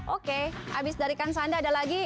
oke abis dari kansanda ada lagi